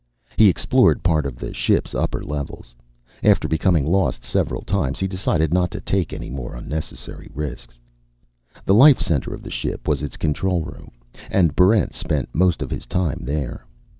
He explored part of the ship's upper levels. After becoming lost several times, he decided not to take any more unnecessary risks. The life center of the ship was its control room, and Barrent spent most of his time there.